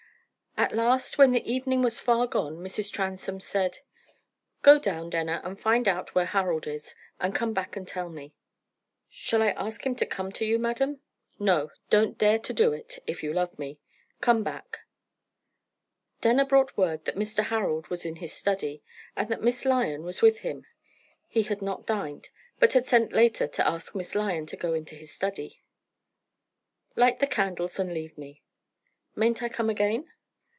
At last, when the evening was far gone, Mrs. Transome said: "Go down, Denner, and find out where Harold is, and come back and tell me." "Shall I ask him to come to you, madam?" "No; don't dare to do it, if you love me. Come back." Denner brought word that Mr. Harold was in his study, and that Miss Lyon was with him. He had not dined, but had sent later to ask Miss Lyon to go into his study. "Light the candles and leave me." "Mayn't I come again?"